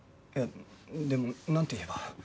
いやでもなんて言えば。